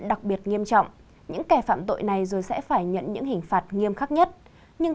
đặc biệt nghiêm trọng những kẻ phạm tội này rồi sẽ phải nhận những hình phạt nghiêm khắc nhất nhưng